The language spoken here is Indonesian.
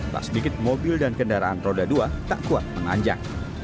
tak sedikit mobil dan kendaraan roda dua tak kuat menanjak